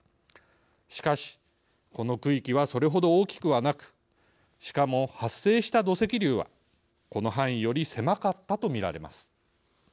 しかしこの区域はそれほど大きくはなくしかも発生した土石流はこの範囲より狭かったとみられます。